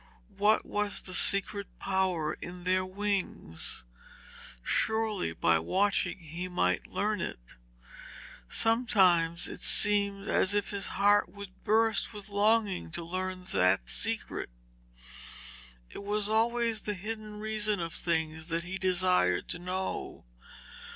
What was the secret power in their wings? Surely by watching he might learn it. Sometimes it seemed as if his heart would burst with the longing to learn that secret. It was always the hidden reason of things that he desired to know.